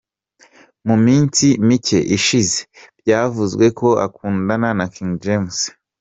Mu minsi mike ishize byavuzwe ko akundana na King James.